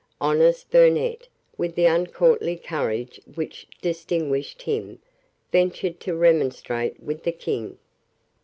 Honest Burnet, with the uncourtly courage which distinguished him, ventured to remonstrate with the King.